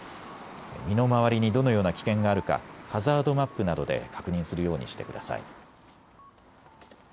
身の回りにどのような危険があるかハザードマップなどで確認するようにしてください。